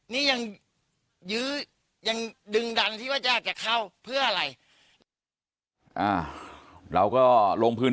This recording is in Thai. นี่ยังยื้อยังดึงดันที่ว่าจะเข้าเพื่ออะไรเราก็ลงพื้น